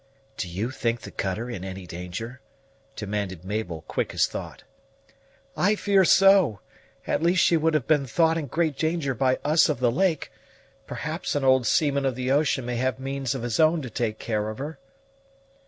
"Do you think the cutter in any danger?" demanded Mabel, quick as thought. "I fear so; at least she would have been thought in great danger by us of the lake; perhaps an old seaman of the ocean may have means of his own to take care of her."